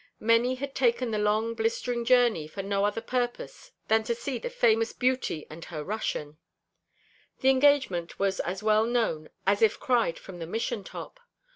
Many had taken the long blistering journey for no other purpose than to see the famous beauty and her Russian; the engagement was as well known as if cried from the Mission top.